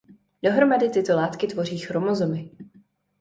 Dohromady tyto látky tvoří chromozomy.